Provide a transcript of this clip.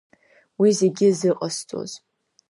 Уи зегьы зыҟасҵоз.